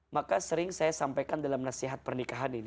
maka sering saya sampaikan dalam nasihat pernikahan ini